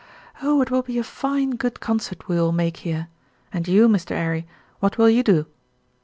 Oh, it will be a fine, good concert we will make here and you, Mr. 'Arry, what will you do?"